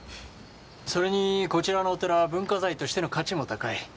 それにこちらのお寺は文化財としての価値も高い。